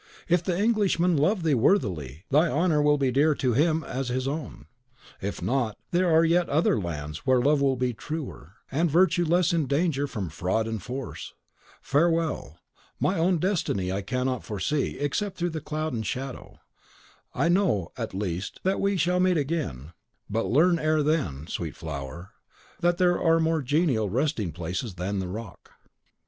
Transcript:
If the Englishman love thee worthily, thy honour will be dear to him as his own; if not, there are yet other lands where love will be truer, and virtue less in danger from fraud and force. Farewell; my own destiny I cannot foresee except through cloud and shadow. I know, at least, that we shall meet again; but learn ere then, sweet flower, that there are more genial resting places than the rock."